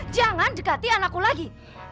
jangan dekati anakku lagi